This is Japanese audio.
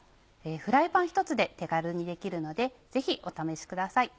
フライパン１つで手軽にできるのでぜひお試しください。